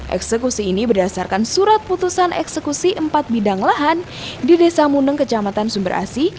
eksekusi ini berdasarkan surat putusan eksekusi empat bidang lahan di desa muneng kecamatan sumber asi